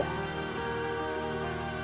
ketika ada bapak kehilanganmu